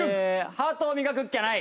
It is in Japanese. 『ハートを磨くっきゃない』。